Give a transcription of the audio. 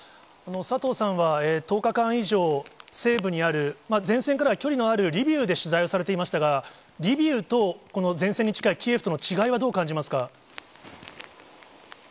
佐藤さんは１０日間以上、西部にある前線からは距離のあるリビウで取材をされていましたが、リビウとこの前線に近いキエフとの違いは、どう感じますか。